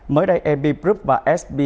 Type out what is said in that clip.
mới đây ep group và sb